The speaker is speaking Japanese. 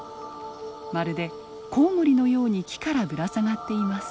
まるでコウモリのように木からぶら下がっています。